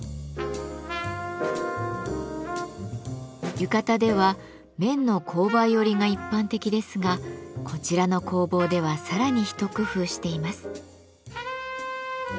浴衣では綿の紅梅織が一般的ですがこちらの工房ではさらに一工夫しています。